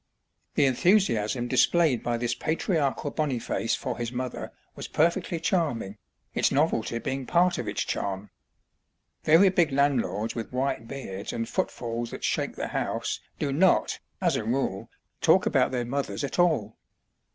The enthusiasm displayed by this patriarchal Boniface for his mother was perfectly charming, its novelty being part of its charm. Very big landlords with white beards and footfalls that shake the house do not, as a rule, talk about their mothers at all.